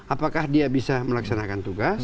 apakah dia bisa melaksanakan tugas